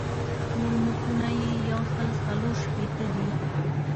ټول مخونه یې یو سل څلور شپېته دي.